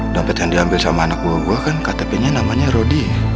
dompet yang diambil sama anak buah gue kan ktpnya namanya rodia